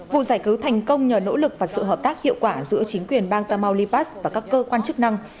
vụ giải cứu thành công nhờ nỗ lực và sự hợp tác hiệu quả giữa chính quyền bang tamaulipas và các cơ quan chức năng